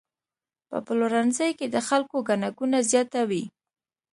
په پلورنځي کې د خلکو ګڼه ګوڼه زیاته وي.